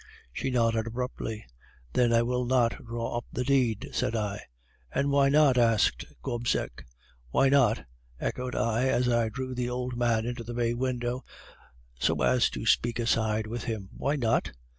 "She nodded abruptly. "'Then I will not draw up the deed,' said I. "'And why not?' asked Gobseck. "'Why not?' echoed I, as I drew the old man into the bay window so as to speak aside with him. 'Why not?